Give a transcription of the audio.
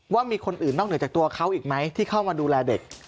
ว่ามีคนอื่นนอกเหนือจากตัวเขาอีกไหมที่เข้ามาดูแลเด็ก